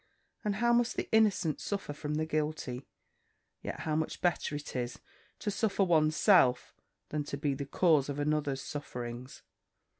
And how must the innocent suffer from the guilty! Yet, how much better is it to suffer one's self, than to be the cause of another's sufferings?